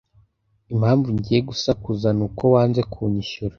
Impamvu ngiye gusakuza nuko wanze kunyishyura